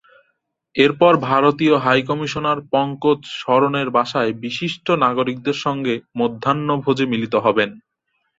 এরপর ভারতীয় হাইকমিশনার পঙ্কজ সরনের বাসায় বিশিষ্ট নাগরিকদের সঙ্গে মধ্যাহ্নভোজে মিলিত হবেন।